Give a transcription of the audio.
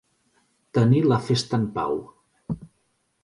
Tenir la festa en pau.